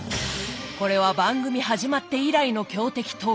これは番組始まって以来の強敵登場です！